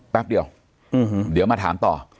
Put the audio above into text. แป๊บเดียวเดี๋ยวมาถามต่อ